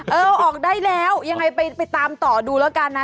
เออออกได้แล้วยังไงไปตามต่อดูแล้วกันนะ